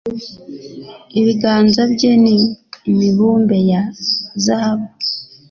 ibiganza bye ni imibumbe ya zahabu